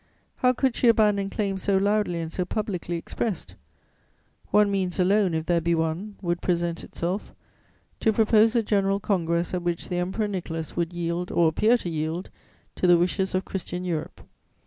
How could she abandon claims so loudly and so publicly expressed? One means alone, if there be one, would present itself: to propose a general congress at which the Emperor Nicholas would yield, or appear to yield, to the wishes of Christian Europe.